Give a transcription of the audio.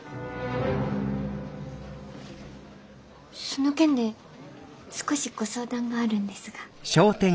その件で少しご相談があるんですが。